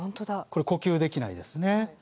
これ呼吸できないですね。